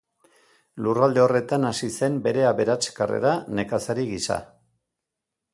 Lurralde horretan hasi zen bere aberats karrera nekazari gisa.